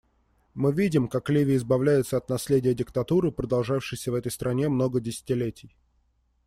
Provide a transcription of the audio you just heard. Мы видим, как Ливия избавляется от наследия диктатуры, продолжавшейся в этой стране много десятилетий.